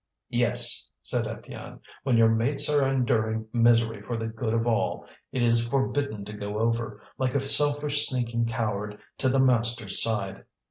"Yes!" said Étienne, "when your mates are enduring misery for the good of all, it is forbidden to go over, like a selfish sneaking coward, to the masters' side.